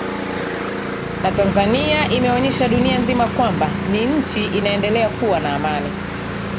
na tanzania imeonyesha dunia nzima kwamba ni nchi inaendelea kuwa na amani